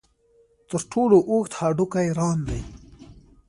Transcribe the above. تر ټولو اوږد هډوکی ران دی.